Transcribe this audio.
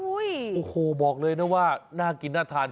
โอ้โหบอกเลยนะว่าน่ากินน่าทาน